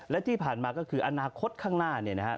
และที่ผ่านมาก็คืออนาคตข้างหน้าเนี่ยนะฮะ